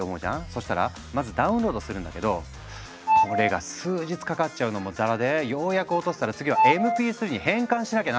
そしたらまずダウンロードするんだけどこれが数日かかっちゃうのもざらでようやく落とせたら次はＭＰ３に変換しなきゃならなかったんだ。